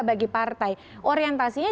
bagi partai orientasinya